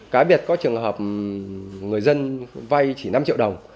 cá biệt có trường hợp người dân vay chỉ năm triệu đồng